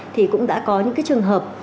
thì cũng đã có những cái trường hợp